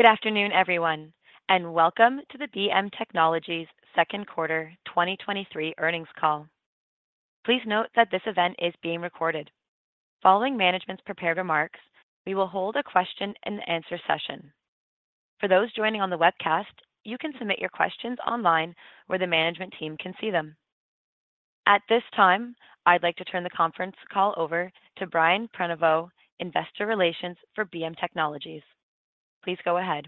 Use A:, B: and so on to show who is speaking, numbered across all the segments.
A: Good afternoon, everyone, and welcome to the BM Technologies second quarter 2023 earnings call. Please note that this event is being recorded. Following management's prepared remarks, we will hold a question and answer session. For those joining on the webcast, you can submit your questions online where the management team can see them. At this time, I'd like to turn the conference call over to Brian Prenoveau, Investor Relations for BM Technologies. Please go ahead.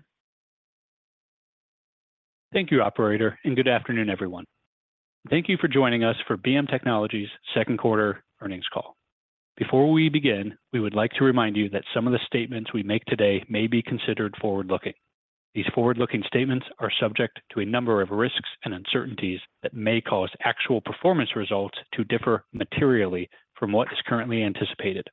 B: Thank you, operator. Good afternoon, everyone. Thank you for joining us for BM Technologies second quarter earnings call. Before we begin, we would like to remind you that some of the statements we make today may be considered forward-looking. These forward-looking statements are subject to a number of risks and uncertainties that may cause actual performance results to differ materially from what is currently anticipated.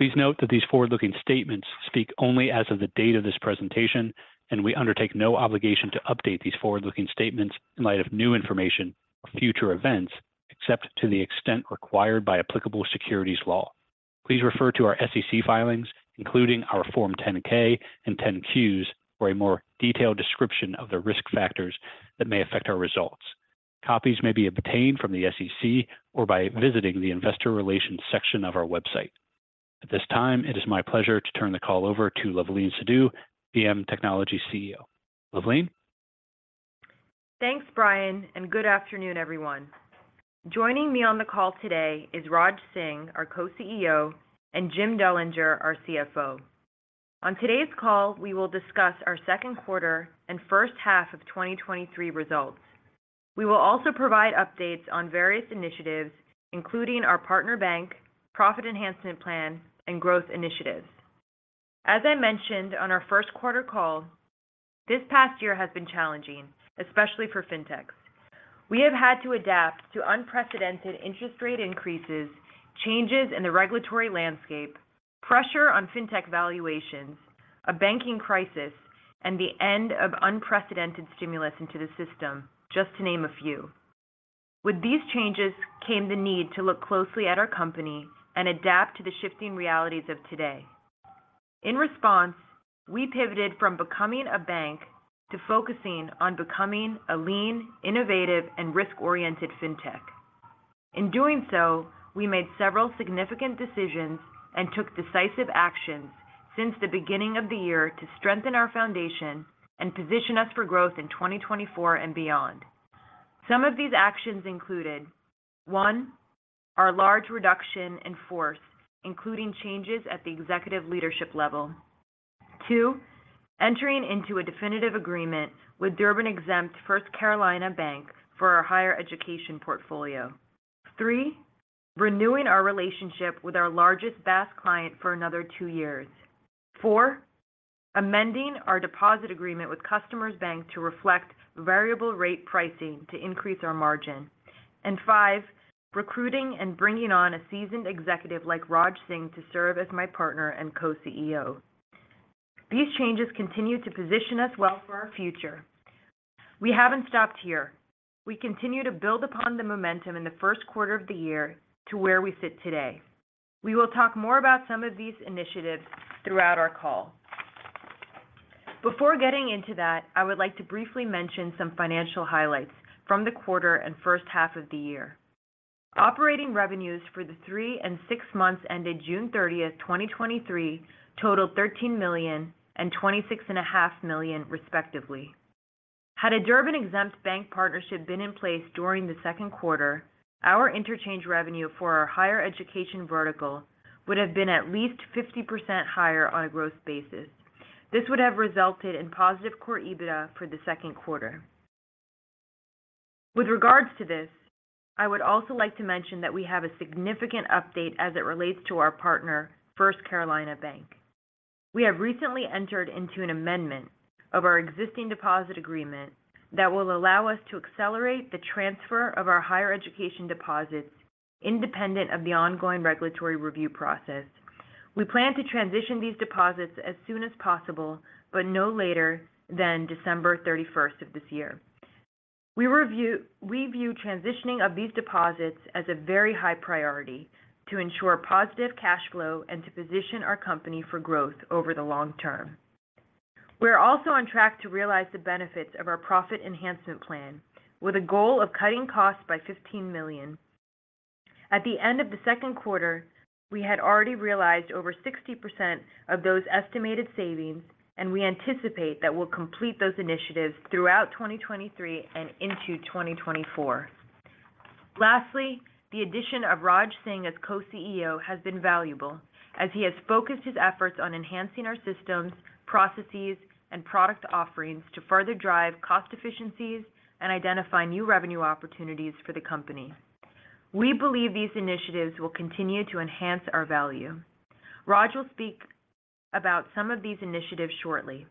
B: Please note that these forward-looking statements speak only as of the date of this presentation, and we undertake no obligation to update these forward-looking statements in light of new information or future events, except to the extent required by applicable securities law. Please refer to our SEC filings, including our Form 10-K and Form 10-Q, for a more detailed description of the risk factors that may affect our results. Copies may be obtained from the SEC or by visiting the Investor Relations section of our website. At this time, it is my pleasure to turn the call over to Luvleen Sidhu, BM Technologies CEO. Luvleen?
C: Thanks, Brian. Good afternoon, everyone. Joining me on the call today is Raj Singh, our Co-CEO, and Jim Dullinger, our CFO. On today's call, we will discuss our second quarter and first half of 2023 results. We will also provide updates on various initiatives, including our partner bank, profit enhancement plan, and growth initiatives. As I mentioned on our first quarter call, this past year has been challenging, especially for FinTechs. We have had to adapt to unprecedented interest rate increases, changes in the regulatory landscape, pressure on FinTech valuations, a banking crisis, and the end of unprecedented stimulus into the system, just to name a few. With these changes came the need to look closely at our company and adapt to the shifting realities of today. In response, we pivoted from becoming a bank to focusing on becoming a lean, innovative, and risk-oriented FinTech. In doing so, we made several significant decisions and took decisive actions since the beginning of the year to strengthen our foundation and position us for growth in 2024 and beyond. Some of these actions included: one, our large reduction in force, including changes at the executive leadership level. two, entering into a definitive agreement with Durbin-exempt First Carolina Bank for our higher education portfolio. three, renewing our relationship with our largest BaaS client for another two years. four, amending our deposit agreement with Customers Bank to reflect variable rate pricing to increase our margin, and five, recruiting and bringing on a seasoned executive like Raj Singh to serve as my partner and Co-CEO. These changes continue to position us well for our future. We haven't stopped here. We continue to build upon the momentum in the first quarter of the year to where we sit today. We will talk more about some of these initiatives throughout our call. Before getting into that, I would like to briefly mention some financial highlights from the quarter and first half of the year. Operating revenues for the three and six months ended June 30th, 2023, totaled $13 million and $26.5 million, respectively. Had a Durbin-exempt bank partnership been in place during the second quarter, our interchange revenue for our higher education vertical would have been at least 50% higher on a growth basis. This would have resulted in positive core EBITDA for the second quarter. With regards to this, I would also like to mention that we have a significant update as it relates to our partner, First Carolina Bank. We have recently entered into an amendment of our existing deposit agreement that will allow us to accelerate the transfer of our higher education deposits independent of the ongoing regulatory review process. We plan to transition these deposits as soon as possible, but no later than December 31st of this year. We view transitioning of these deposits as a very high priority to ensure positive cash flow and to position our company for growth over the long term. We are also on track to realize the benefits of our profit enhancement plan, with a goal of cutting costs by $15 million. At the end of the second quarter, we had already realized over 60% of those estimated savings, and we anticipate that we'll complete those initiatives throughout 2023 and into 2024. Lastly, the addition of Raj Singh as co-CEO has been valuable, as he has focused his efforts on enhancing our systems, processes, and product offerings to further drive cost efficiencies and identify new revenue opportunities for the company. We believe these initiatives will continue to enhance our value. Raj will speak about some of these initiatives shortly.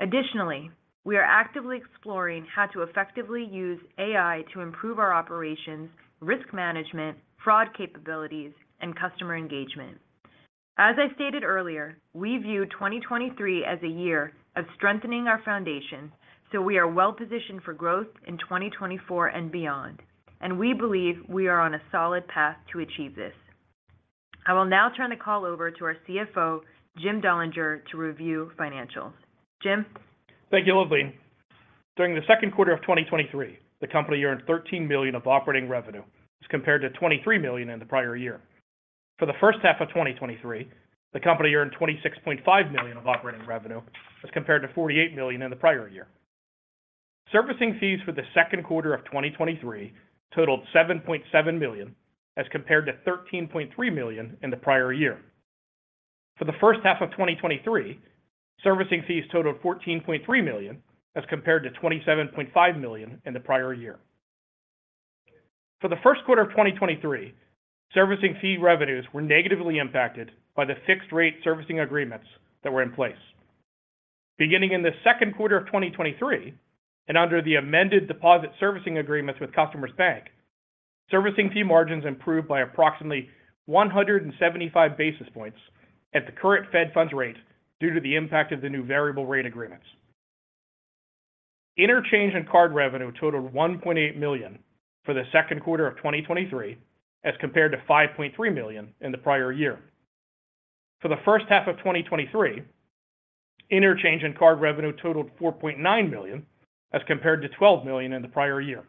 C: Additionally, we are actively exploring how to effectively use AI to improve our operations, risk management, fraud capabilities, and customer engagement. As I stated earlier, we view 2023 as a year of strengthening our foundation, so we are well positioned for growth in 2024 and beyond, and we believe we are on a solid path to achieve this. I will now turn the call over to our CFO, Jim Dullinger, to review financials. Jim?
D: Thank you, Luvleen. During the second quarter of 2023, the company earned $13 million of operating revenue as compared to $23 million in the prior year. For the first half of 2023, the company earned $26.5 million of operating revenue as compared to $48 million in the prior year. Servicing fees for the second quarter of 2023 totaled $7.7 million as compared to $13.3 million in the prior year. For the first half of 2023, servicing fees totaled $14.3 million as compared to $27.5 million in the prior year. For the first quarter of 2023, servicing fee revenues were negatively impacted by the fixed-rate servicing agreements that were in place. Beginning in the second quarter of 2023, and under the amended deposit servicing agreements with Customers Bank, servicing fee margins improved by approximately 175 basis points at the current federal funds rate due to the impact of the new variable rate agreements. Interchange and card revenue totaled $1.8 million for the second quarter of 2023 as compared to $5.3 million in the prior year. For the first half of 2023, interchange and card revenue totaled $4.9 million as compared to $12 million in the prior year.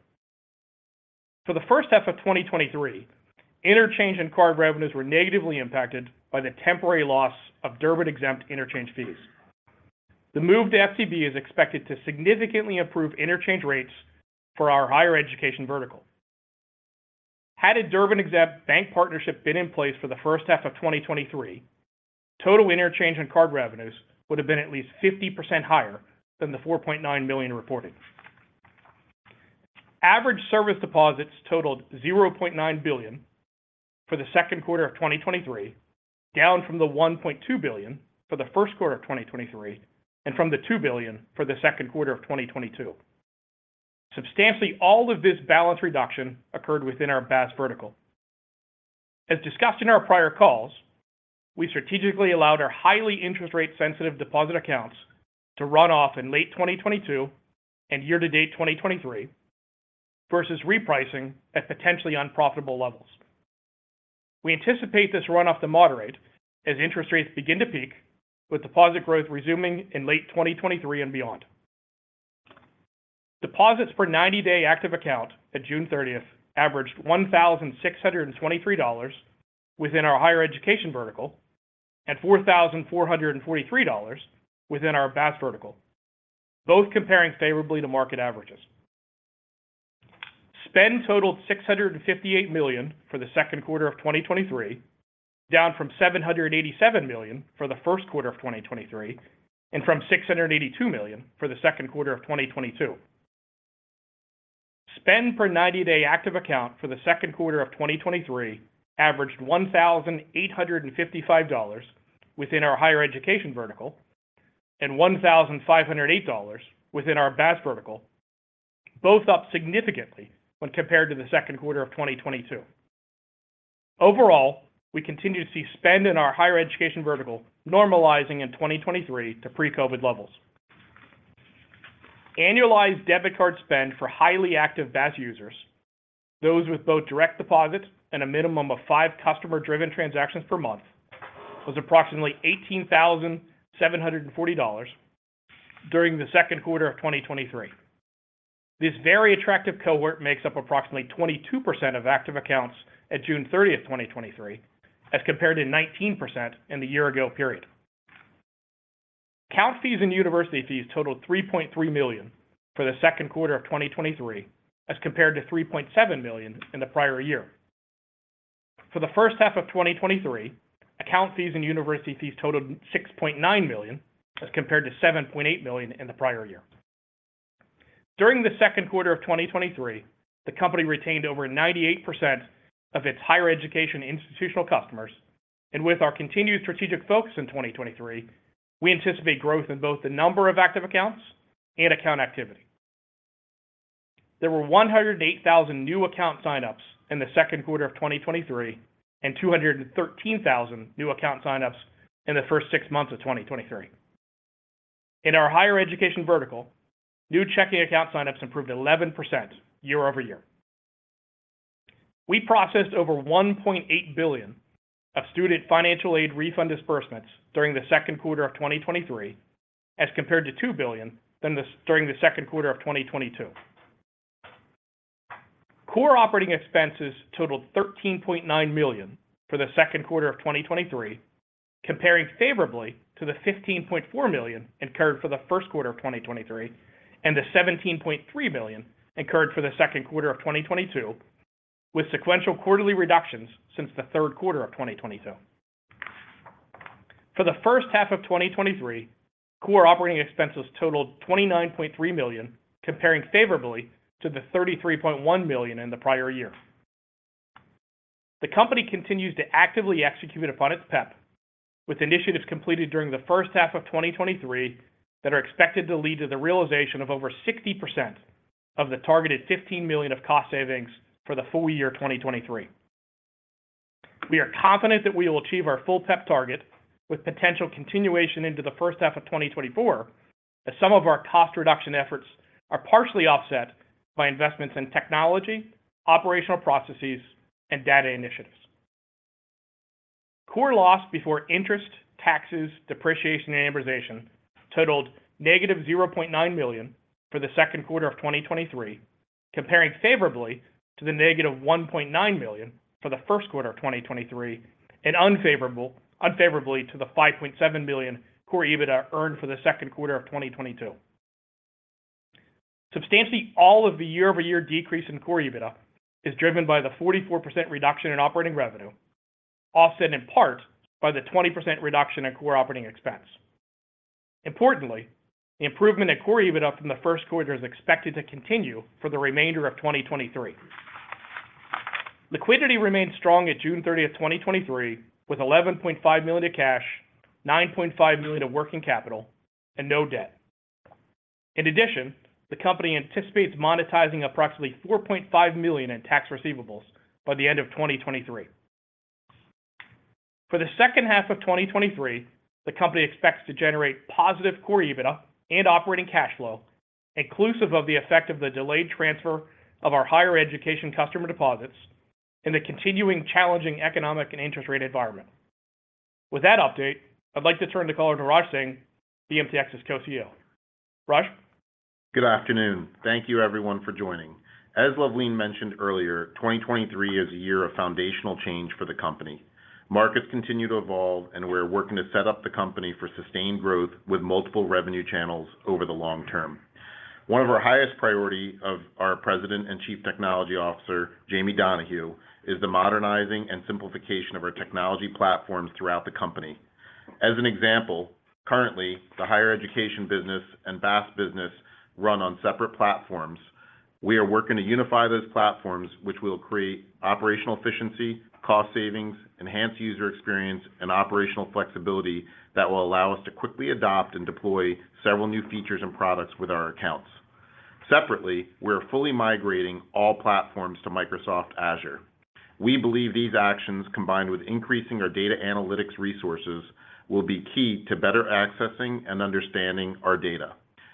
D: For the first half of 2023, interchange and card revenues were negatively impacted by the temporary loss of Durbin-exempt interchange fees. The move to FCB is expected to significantly improve interchange rates for our higher education vertical. Had a Durbin-exempt bank partnership been in place for the first half of 2023, total interchange and card revenues would have been at least 50% higher than the $4.9 million reported. Average service deposits totaled $0.9 billion for the second quarter of 2023, down from the $1.2 billion for the first quarter of 2023, and from the $2 billion for the second quarter of 2022. Substantially, all of this balance reduction occurred within our BaaS vertical. As discussed in our prior calls, we strategically allowed our highly interest rate-sensitive deposit accounts to run off in late 2022 and year-to-date 2023 versus repricing at potentially unprofitable levels. We anticipate this run off to moderate as interest rates begin to peak, with deposit growth resuming in late 2023 and beyond. Deposits per 90-day active account at June 30th averaged $1,623 within our higher education vertical and $4,443 within our BaaS vertical, both comparing favorably to market averages. Spend totaled $658 million for the second quarter of 2023, down from $787 million for the first quarter of 2023 and from $682 million for the second quarter of 2022. Spend per 90-day active account for the second quarter of 2023 averaged $1,855 within our higher education vertical and $1,508 within our BaaS vertical, both up significantly when compared to the second quarter of 2022. Overall, we continue to see spend in our higher education vertical normalizing in 2023 to pre-COVID levels. Annualized debit card spend for highly active BaaS users, those with both direct deposits and a minimum of 5 customer-driven transactions per month, was approximately $18,740 during the second quarter of 2023. This very attractive cohort makes up approximately 22% of active accounts at June 30th, 2023, as compared to 19% in the year ago period. Account fees and university fees totaled $3.3 million for the second quarter of 2023, as compared to $3.7 million in the prior year. For the first half of 2023, account fees and university fees totaled $6.9 million, as compared to $7.8 million in the prior year. During the second quarter of 2023, the company retained over 98% of its higher education institutional customers. With our continued strategic focus in 2023, we anticipate growth in both the number of active accounts and account activity. There were 108,000 new account signups in the second quarter of 2023 and 213,000 new account signups in the first 6 months of 2023. In our higher education vertical, new checking account signups improved 11% year-over-year. We processed over $1.8 billion of student financial aid refund disbursements during the second quarter of 2023, as compared to $2 billion during the second quarter of 2022. Core operating expenses totaled $13.9 million for the second quarter of 2023, comparing favorably to the $15.4 million incurred for the first quarter of 2023 and the $17.3 million incurred for the second quarter of 2022, with sequential quarterly reductions since the third quarter of 2022. For the first half of 2023, core operating expenses totaled $29.3 million, comparing favorably to the $33.1 million in the prior year. The company continues to actively execute upon its PEP, with initiatives completed during the first half of 2023 that are expected to lead to the realization of over 60% of the targeted $15 million of cost savings for the full year 2023. We are confident that we will achieve our full PEP target with potential continuation into the first half of 2024. Some of our cost reduction efforts are partially offset by investments in technology, operational processes, and data initiatives. Core loss before interest, taxes, depreciation, and amortization totaled -$0.9 million for the second quarter of 2023, comparing favorably to the -$1.9 million for the first quarter of 2023, and unfavorably to the $5.7 million core EBITDA earned for the second quarter of 2022. Substantially, all of the year-over-year decrease in core EBITDA is driven by the 44% reduction in operating revenue, offset in part by the 20% reduction in core operating expense. Importantly, the improvement in core EBITDA from the first quarter is expected to continue for the remainder of 2023. Liquidity remains strong at June 30th, 2023, with $11.5 million of cash, $9.5 million of working capital, and no debt. In addition, the company anticipates monetizing approximately $4.5 million in tax receivables by the end of 2023. For the second half of 2023, the company expects to generate positive core EBITDA and operating cash flow, inclusive of the effect of the delayed transfer of our higher education customer deposits in the continuing challenging economic and interest rate environment. With that update, I'd like to turn the call to Raj Singh, BMTX's Co-CEO. Raj?
E: Good afternoon. Thank you everyone for joining. As Luvleen mentioned earlier, 2023 is a year of foundational change for the company. Markets continue to evolve. We're working to set up the company for sustained growth with multiple revenue channels over the long term. One of our highest priority of our President and Chief Technology Officer, Jamie Donahue, is the modernizing and simplification of our technology platforms throughout the company. As an example, currently, the higher education business and BaaS business run on separate platforms. We are working to unify those platforms, which will create operational efficiency, cost savings, enhanced user experience, and operational flexibility that will allow us to quickly adopt and deploy several new features and products with our accounts. Separately, we are fully migrating all platforms to Microsoft Azure. We believe these actions, combined with increasing our data analytics resources, will be key to better accessing and understanding our data.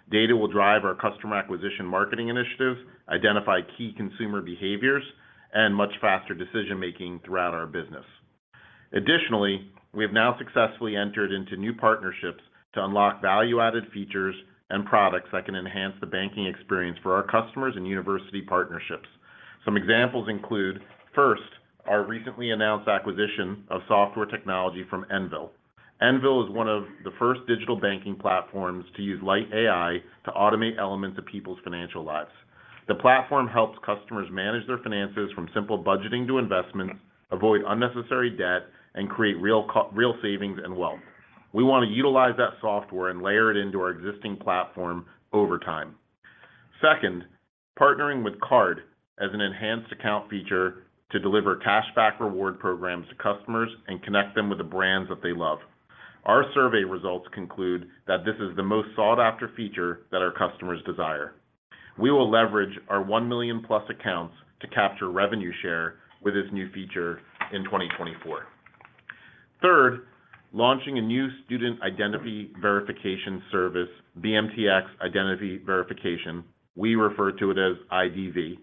E: Data will drive our customer acquisition marketing initiatives, identify key consumer behaviors, and much faster decision-making throughout our business. We have now successfully entered into new partnerships to unlock value-added features and products that can enhance the banking experience for our customers and university partnerships. Some examples include, first, our recently announced acquisition of software technology from Envel. Envel is one of the first digital banking platforms to use Light AI to automate elements of people's financial lives. The platform helps customers manage their finances from simple budgeting to investments, avoid unnecessary debt, and create real real savings and wealth. We want to utilize that software and layer it into our existing platform over time. Second, partnering with Kard as an enhanced account feature to deliver cashback reward programs to customers and connect them with the brands that they love. Our survey results conclude that this is the most sought-after feature that our customers desire. We will leverage our 1 million+ accounts to capture revenue share with this new feature in 2024. Third, launching a new student identity verification service, BMTX Identity Verification. We refer to it as IDV,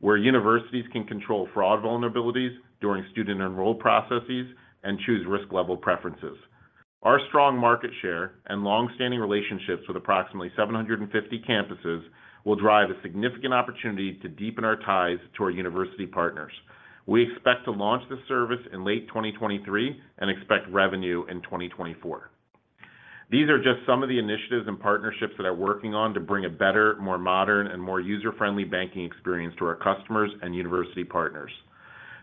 E: where universities can control fraud vulnerabilities during student enroll processes and choose risk level preferences. Our strong market share and long-standing relationships with approximately 750 campuses will drive a significant opportunity to deepen our ties to our university partners. We expect to launch this service in late 2023 and expect revenue in 2024. These are just some of the initiatives and partnerships that are working on to bring a better, more modern, and more user-friendly banking experience to our customers and university partners.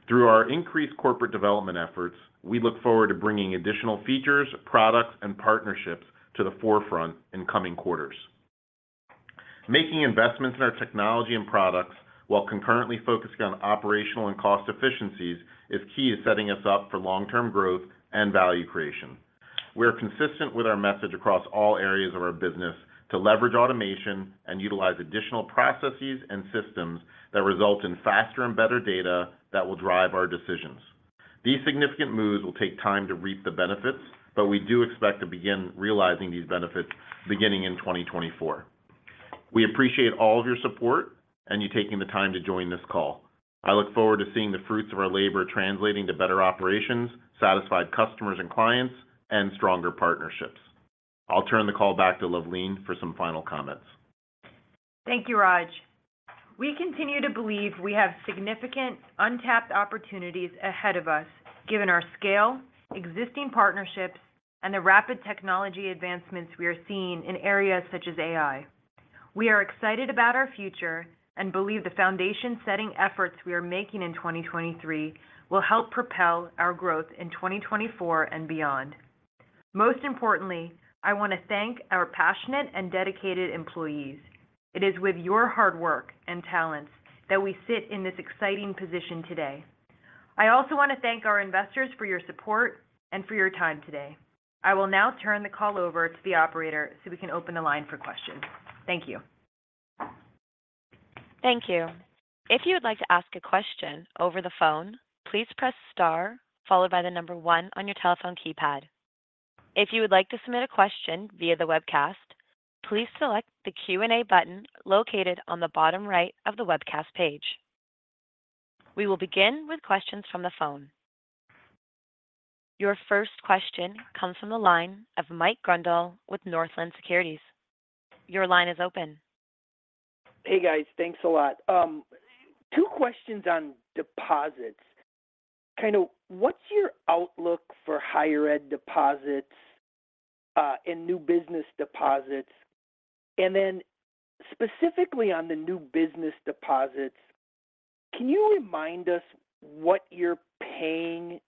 E: Through our increased corporate development efforts, we look forward to bringing additional features, products, and partnerships to the forefront in coming quarters. Making investments in our technology and products while concurrently focusing on operational and cost efficiencies is key to setting us up for long-term growth and value creation. We're consistent with our message across all areas of our business to leverage automation and utilize additional processes and systems that result in faster and better data that will drive our decisions. These significant moves will take time to reap the benefits, but we do expect to begin realizing these benefits beginning in 2024. We appreciate all of your support and you taking the time to join this call. I look forward to seeing the fruits of our labor translating to better operations, satisfied customers and clients, and stronger partnerships. I'll turn the call back to Luvleen for some final comments.
C: Thank you, Raj. We continue to believe we have significant untapped opportunities ahead of us, given our scale, existing partnerships, and the rapid technology advancements we are seeing in areas such as AI. We are excited about our future and believe the foundation-setting efforts we are making in 2023 will help propel our growth in 2024 and beyond. Most importantly, I want to thank our passionate and dedicated employees. It is with your hard work and talents that we sit in this exciting position today. I also want to thank our investors for your support and for your time today. I will now turn the call over to the operator, we can open the line for questions. Thank you.
A: Thank you. If you would like to ask a question over the phone, please press star, followed by the number 1 on your telephone keypad. If you would like to submit a question via the webcast, please select the Q&A button located on the bottom right of the webcast page. We will begin with questions from the phone. Your first question comes from the line of Mike Grondahl with Northland Securities. Your line is open.
F: Hey, guys. Thanks a lot. Two questions on deposits. Kind of what's your outlook for higher ed deposits and new business deposits? Specifically on the new business deposits, can you remind us what you're paying,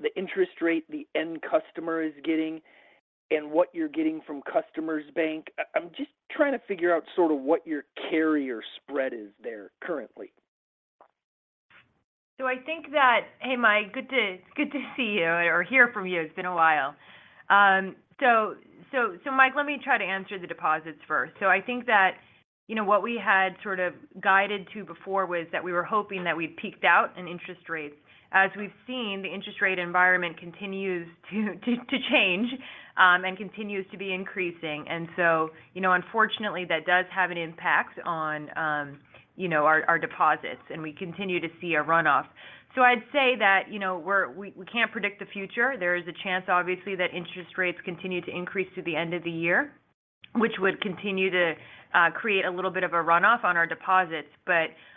F: the interest rate the end customer is getting, and what you're getting from Customers Bank? I'm just trying to figure out sort of what your carrier spread is there currently.
C: I think that, Hey Mike, good to, good to see you or hear from you. It's been a while. Mike, let me try to answer the deposits first. I think that, you know, what we had sort of guided to before was that we were hoping that we'd peaked out in interest rates. As we've seen, the interest rate environment continues to change and continues to be increasing. You know, unfortunately, that does have an impact on, you know, our, our deposits, and we continue to see a runoff. I'd say that, you know, we, we can't predict the future. There is a chance, obviously, that interest rates continue to increase through the end of the year, which would continue to create a little bit of a runoff on our deposits.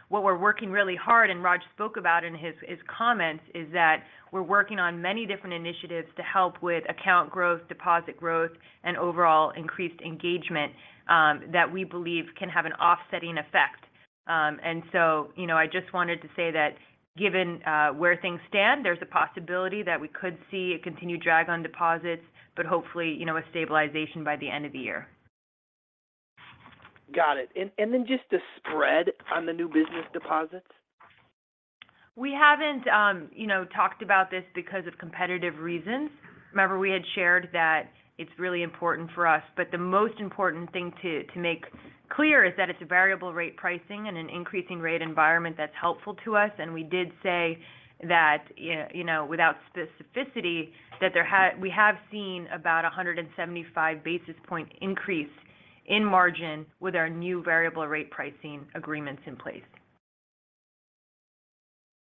C: What we're working really hard, and Raj spoke about in his, his comments, is that we're working on many different initiatives to help with account growth, deposit growth, and overall increased engagement that we believe can have an offsetting effect. You know, I just wanted to say that given where things stand, there's a possibility that we could see a continued drag on deposits, but hopefully, you know, a stabilization by the end of the year.
F: Got it. Then just the spread on the new business deposits?
C: We haven't, you know, talked about this because of competitive reasons. Remember, we had shared that it's really important for us, but the most important thing to, to make clear is that it's a variable rate pricing and an increasing rate environment that's helpful to us. We did say that, you know, without specificity, we have seen about 175 basis points increase in margin with our new variable rate pricing agreements in place.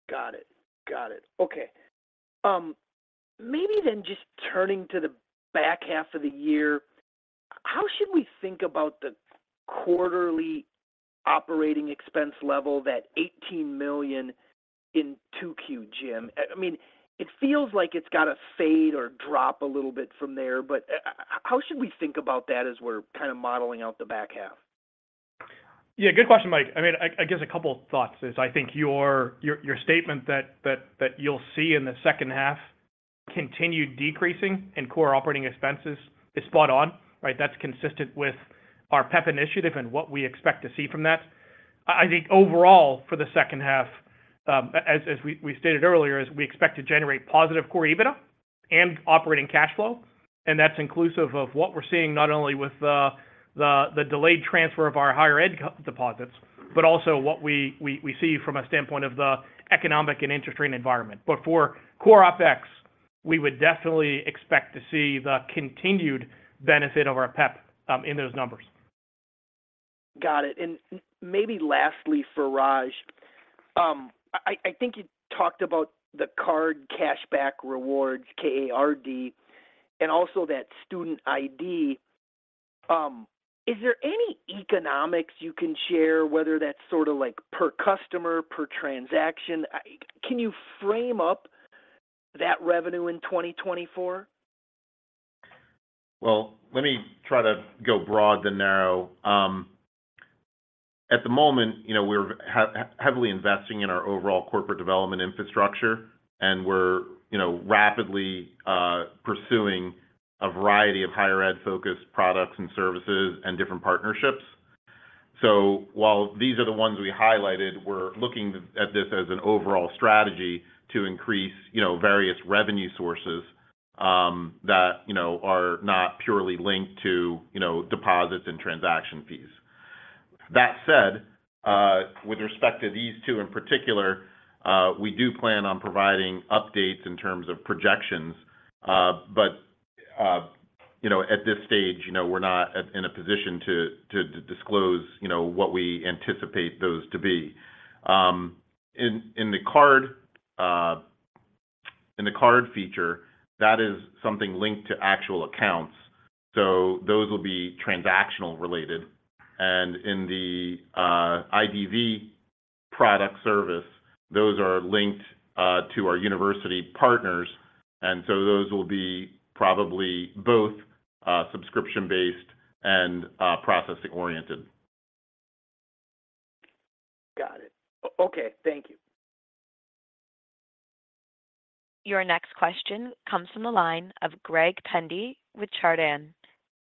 F: Got it. Got it. Okay. Maybe then just turning to the back half of the year, how should we think about the quarterly operating expense level, that $18 million in 2Q, Jim? I mean, it feels like it's got to fade or drop a little bit from there, but, how should we think about that as we're kind of modeling out the back half?
D: Yeah, good question, Mike. I mean, I, I guess a couple thoughts is I think your, your, your statement that, that, that you'll see in the second half continued decreasing in core operating expenses is spot on, right? That's consistent with our PEP initiative and what we expect to see from that. I, I think overall for the second half, as, as we, we stated earlier, is we expect to generate positive core EBITDA and operating cash flow, and that's inclusive of what we're seeing not only with the, the, the delayed transfer of our higher ed customer deposits, but also what we, we, we see from a standpoint of the economic and interest rate environment. For core Opex, we would definitely expect to see the continued benefit of our PEP in those numbers.
F: Got it. Maybe lastly for Raj, I, I think you talked about the Kard cashback rewards, K-A-R-D, and also that student ID. Is there any economics you can share whether that's sort of like per customer, per transaction? Can you frame up that revenue in 2024?
E: Well, let me try to go broad then narrow. At the moment, you know, we're heavily investing in our overall corporate development infrastructure. We're, you know, rapidly pursuing a variety of higher ed-focused products and services and different partnerships. While these are the ones we highlighted, we're looking at this as an overall strategy to increase, you know, various revenue sources, that, you know, are not purely linked to, you know, deposits and transaction fees. That said, with respect to these two in particular, we do plan on providing updates in terms of projections. At this stage, you know, we're not in a position to, to, to disclose, you know, what we anticipate those to be. In the Kard, in the Kard feature, that is something linked to actual accounts, so those will be transactional related. In the IDV product service, those are linked to our university partners, and so those will be probably both subscription-based and processing-oriented.
F: Got it. Okay, thank you.
A: Your next question comes from the line of Greg Pendy with Chardan.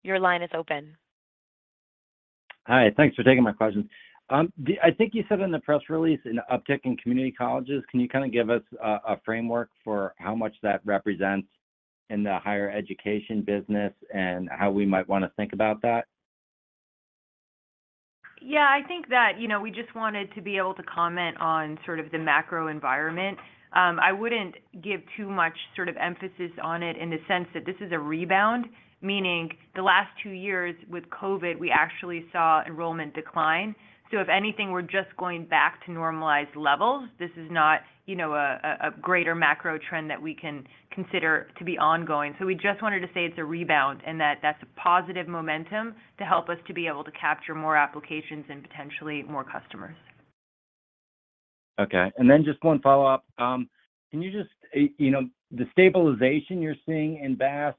A: Your line is open.
G: Hi, thanks for taking my questions. I think you said in the press release an uptick in community colleges, can you kind of give us a framework for how much that represents in the higher education business and how we might wanna think about that?
C: I think that, you know, we just wanted to be able to comment on sort of the macro environment. I wouldn't give too much sort of emphasis on it in the sense that this is a rebound, meaning the last two years with COVID, we actually saw enrollment decline. If anything, we're just going back to normalized levels. This is not, you know, a, a, a greater macro trend that we can consider to be ongoing. We just wanted to say it's a rebound, and that that's a positive momentum to help us to be able to capture more applications and potentially more customers.
G: Okay. Then just one follow-up. Can you just, you know, the stabilization you're seeing in BaaS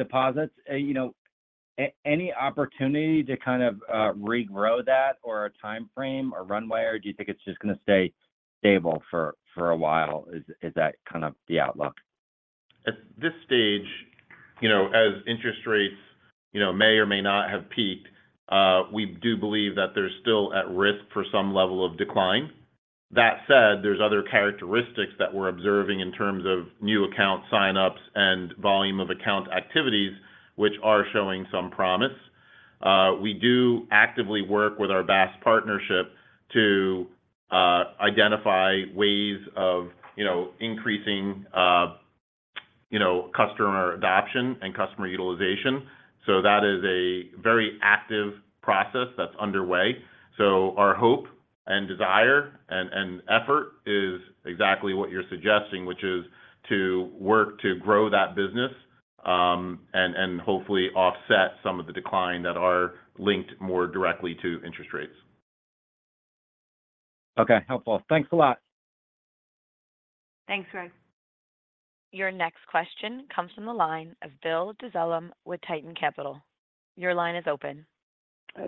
G: deposits, you know, any opportunity to kind of regrow that, or a timeframe, or runway? Do you think it's just gonna stay stable for, for a while? Is that kind of the outlook?
E: At this stage, you know, as interest rates, you know, may or may not have peaked, we do believe that they're still at risk for some level of decline. That said, there's other characteristics that we're observing in terms of new account sign-ups and volume of account activities, which are showing some promise. We do actively work with our BaaS partnership to identify ways of, you know, increasing, you know, customer adoption and customer utilization, so that is a very active process that's underway. Our hope and desire and, and effort is exactly what you're suggesting, which is to work to grow that business, and, and hopefully offset some of the decline that are linked more directly to interest rates.
G: Okay, helpful. Thanks a lot.
C: Thanks, Greg.
A: Your next question comes from the line of Bill Dezellem with Tieton Capital. Your line is open.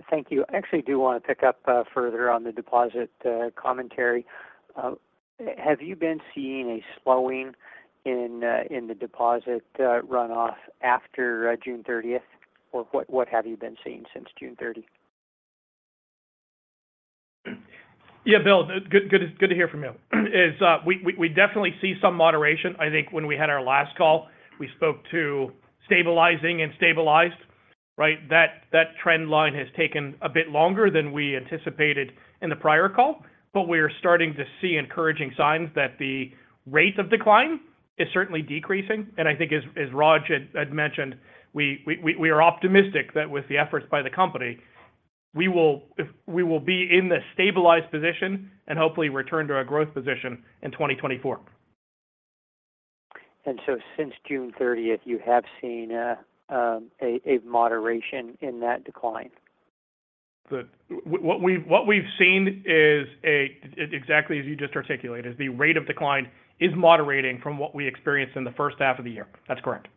H: Thank you. I actually do want to pick up further on the deposit commentary. Have you been seeing a slowing in the deposit runoff after June 30th? What, what have you been seeing since June 30?
D: Yeah, Bill, good, good to, good to hear from you. We, we, we definitely see some moderation. I think when we had our last call, we spoke to stabilizing and stabilized, right? That, that trend line has taken a bit longer than we anticipated in the prior call, but we are starting to see encouraging signs that the rate of decline is certainly decreasing. I think as, as Raj had, had mentioned, we, we, we are optimistic that with the efforts by the company, we will, we will be in the stabilized position and hopefully return to our growth position in 2024.
H: Since June 30th, you have seen a moderation in that decline?
D: Good. What we've seen is exactly as you just articulated, is the rate of decline is moderating from what we experienced in the first half of the year. That's correct.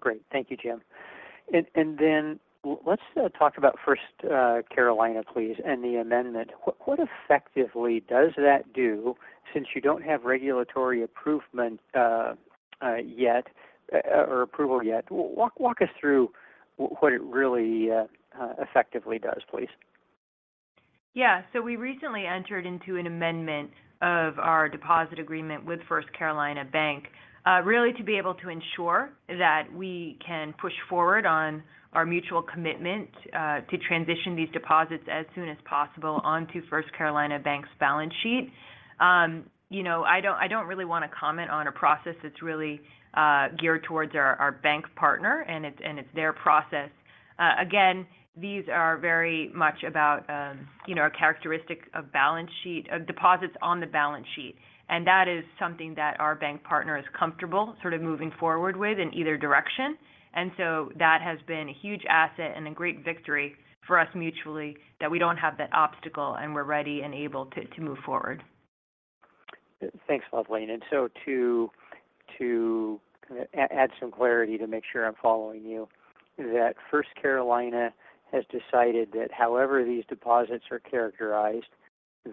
H: Great. Thank you, Jim. Then let's, talk about First Carolina, please, and the amendment. What, what effectively does that do since you don't have regulatory approvement, yet, or approval yet? Walk, walk us through what it really, effectively does, please.
C: Yeah. We recently entered into an amendment of our deposit agreement with First Carolina Bank, really to be able to ensure that we can push forward on our mutual commitment to transition these deposits as soon as possible onto First Carolina Bank's balance sheet. You know, I don't, I don't really want to comment on a process that's really geared towards our, our bank partner, and it's, and it's their process. Again, these are very much about, you know, a characteristic of balance sheet, of deposits on the balance sheet, and that is something that our bank partner is comfortable sort of moving forward with in either direction. That has been a huge asset and a great victory for us mutually, that we don't have that obstacle and we're ready and able to, to move forward.
H: Thanks, Luvleen. So to, to kind of add some clarity to make sure I'm following you, that First Carolina Bank has decided that however these deposits are characterized,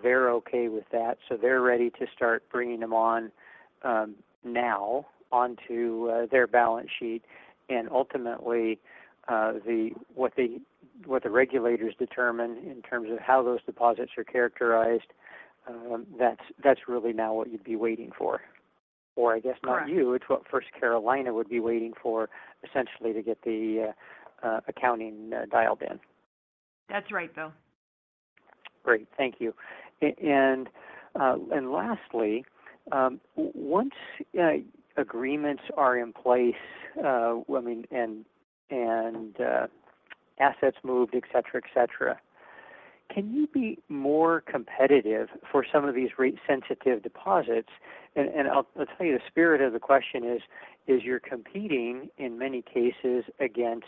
H: they're okay with that, so they're ready to start bringing them on now onto their balance sheet. Ultimately, the, what the, what the regulators determine in terms of how those deposits are characterized, that's, that's really now what you'd be waiting for.
C: Correct.
H: I guess not you, it's what First Carolina would be waiting for, essentially to get the accounting dialed in.
C: That's right, Bill.
H: Great, thank you. Lastly, I mean, and assets moved, et cetera, et cetera, can you be more competitive for some of these rate-sensitive deposits? I'll let's say the spirit of the question is, is you're competing, in many cases, against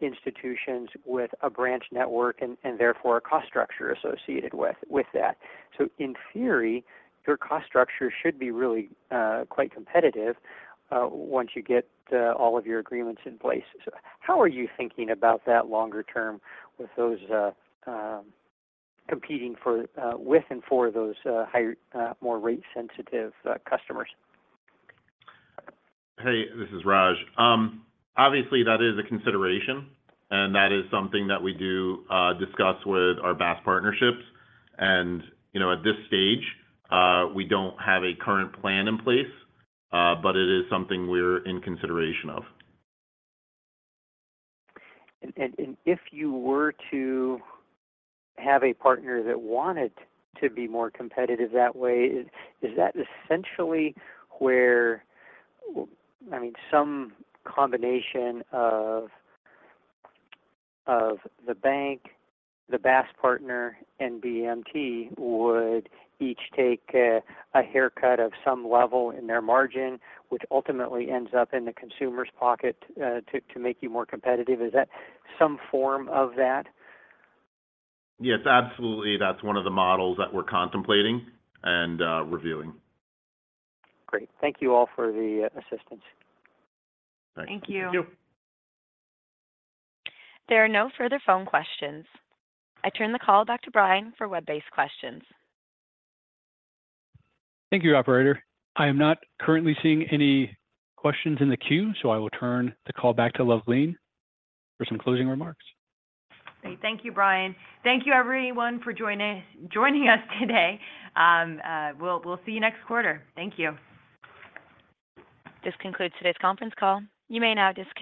H: institutions with a branch network and therefore a cost structure associated with that. In theory, your cost structure should be really quite competitive once you get all of your agreements in place. How are you thinking about that longer term with those competing for with and for those higher more rate-sensitive customers?
E: Hey, this is Raj. Obviously, that is a consideration, and that is something that we do discuss with our BaaS partnerships. You know, at this stage, we don't have a current plan in place, but it is something we're in consideration of.
H: If you were to have a partner that wanted to be more competitive that way, is that essentially where, I mean, some combination of the bank, the BaaS partner and BMT would each take a haircut of some level in their margin, which ultimately ends up in the consumer's pocket, to make you more competitive? Is that some form of that?
E: Yes, absolutely. That's one of the models that we're contemplating and reviewing.
H: Great. Thank you all for the assistance.
E: Thanks.
C: Thank you.
D: Thank you.
A: There are no further phone questions. I turn the call back to Brian for web-based questions.
B: Thank you, operator. I am not currently seeing any questions in the queue. I will turn the call back to Luvleen for some closing remarks.
C: Great. Thank you, Brian. Thank you, everyone, for joining, joining us today. We'll see you next quarter. Thank you.
A: This concludes today's conference call. You may now disconnect.